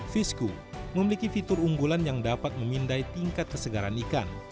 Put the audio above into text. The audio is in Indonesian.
fisku memiliki fitur unggulan yang dapat memindai tingkat kesegaran ikan